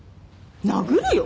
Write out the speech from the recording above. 殴るよ